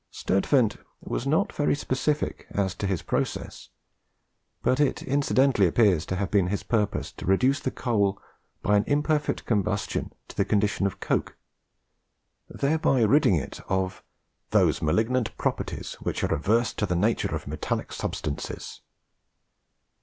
Sturtevant was not very specific as to his process; but it incidentally appears to have been his purpose to reduce the coal by an imperfect combustion to the condition of coke, thereby ridding it of "those malignant proprieties which are averse to the nature of metallique substances."